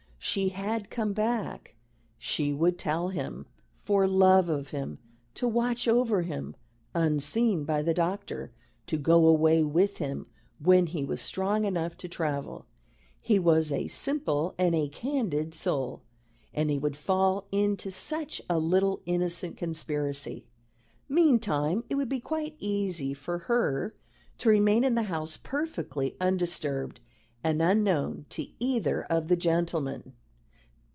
She had come back, she would tell him, for love of him, to watch over him, unseen by the doctor, to go away with him when he was strong enough to travel. He was a simple and a candid soul, and he would fall into such a little innocent conspiracy. Meantime, it would be quite easy for her to remain in the house perfectly undisturbed and unknown to either of the gentlemen.